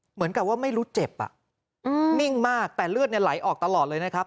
เหมือนกับว่าไม่รู้เจ็บอ่ะนิ่งมากแต่เลือดไหลออกตลอดเลยนะครับ